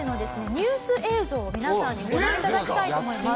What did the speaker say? ニュース映像を皆さんにご覧いただきたいと思います。